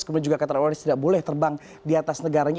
kemudian juga qatar awareness tidak boleh terbang di atas negaranya